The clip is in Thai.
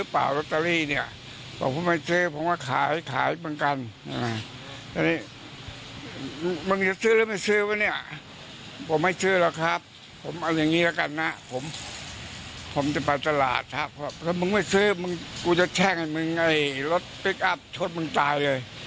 ถ้ามึงไม่ซื้อมึงกูจะแช่งให้มึงไอ้รถพลิกอัพชดมึงตายเลย